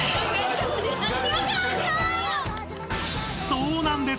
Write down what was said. ［そうなんです！